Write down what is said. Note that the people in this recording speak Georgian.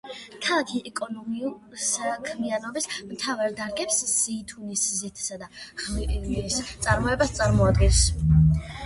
ქალაქის ეკონომიკური საქმიანობის მთავარ დარგებს ზეითუნის ზეთისა და ღვინის წარმოება წარმოადგენს.